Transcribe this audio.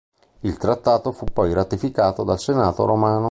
Il trattato fu poi ratificato dal Senato romano.